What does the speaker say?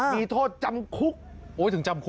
มีโทษจำคุก